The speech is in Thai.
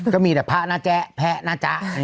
ก็มีแต่พระนะจ๊ะแพะนะจ๊ะ